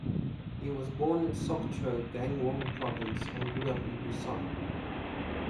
He was born in Sokcho, Gangwon Province and grew up in Busan.